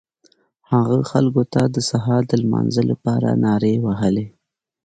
هغه خلکو ته د سهار د لمانځه لپاره نارې وهلې.